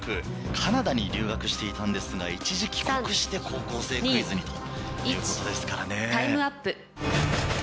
カナダに留学していたんですが一時帰国して『高校生クイズ』にということですからね。